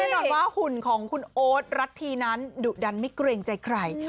แน่นอนว่าหุ่นของคุณโอ๊ตรัธีนั้นดุดันไม่เกรงใจใคร